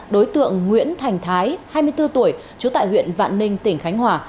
đối tượng nguyễn thành thái hai mươi bốn tuổi trú tại huyện vạn ninh tỉnh khánh hòa